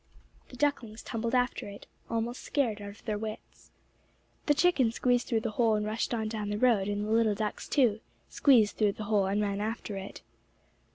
The ducklings tumbled after it, almost scared out of their wits. The chicken squeezed through the hole and rushed on down the road, and the little ducks, too, squeezed through the hole and ran after it.